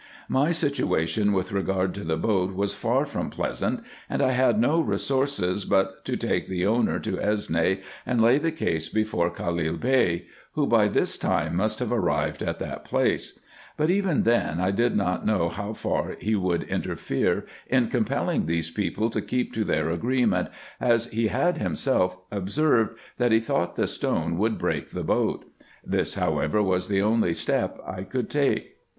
My situation with regard to the boat was far from pleasant, and I had no resource, but to take the owner to Esne and lay the case before Khalil Bey, who by this time must have arrived at that place : but even then I did not know how far he would interfere in compelling these people to keep to their agree ment, as he had himself observed, that he thought the stone would break the boat. This, however, was the only step I could take.